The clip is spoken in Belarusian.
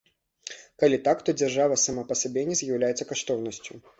Калі так, то дзяржава сама па сабе не з'яўляецца каштоўнасцю.